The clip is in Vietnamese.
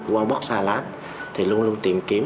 wabox salad thì luôn luôn tìm kiếm